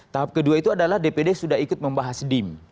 tahap kedua itu adalah dpd sudah ikut membahas dim